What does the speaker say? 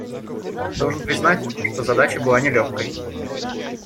Должен признать, что задача была нелегкой.